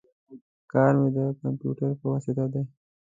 کار می د کمپیوټر په واسطه دی